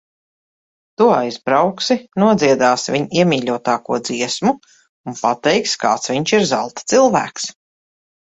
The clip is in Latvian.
Tu aizbrauksi, nodziedāsi viņa iemīļotāko dziesmu un pateiksi, kāds viņš ir zelta cilvēks.